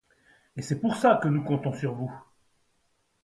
Et c’est pour ça que nous comptons sur vous.